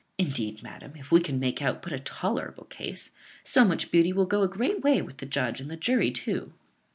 Indeed, madam, if we can make out but a tolerable case, so much beauty will go a great way with the judge and the jury too."